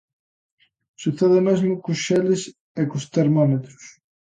Sucede o mesmo cos xeles e cos termómetros.